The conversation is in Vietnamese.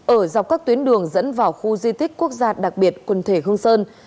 ở dọc các tuyến đường dẫn vào khu di tích quốc gia đặc biệt quần thể hương sơn